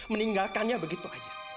meninggalkannya begitu aja